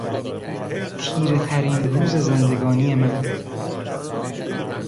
تیرهترین روز زندگانی من